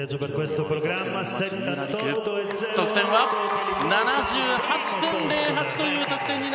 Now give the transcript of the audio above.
得点は７８．０８という得点。